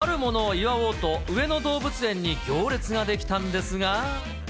あるものを祝おうと、上野動物園に行列が出来たんですが。